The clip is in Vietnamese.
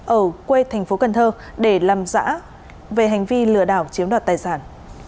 ở quê thành phố cần thơ để làm rõ về hành vi lừa đảo chiếm đoạt tài sản